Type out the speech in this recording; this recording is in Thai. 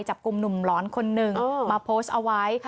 จับกลุ่มหนุ่มหลอนคนหนึ่งมาโพสต์เอาไว้